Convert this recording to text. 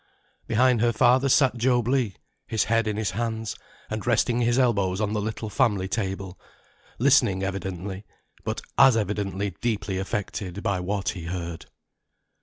Behind her father sat Job Legh, his head in his hands, and resting his elbows on the little family table, listening evidently; but as evidently deeply affected by what he heard.